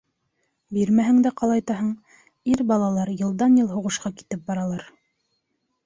Бирмәһәң дә ҡалайтаһың, ир балалар йылдан-йыл һуғышҡа китеп баралар.